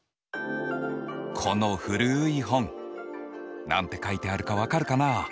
この古い本何て書いてあるか分かるかな？